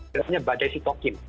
biasanya badai sitokin